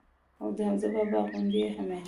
او د حمزه بابا غوندي ئې هميشه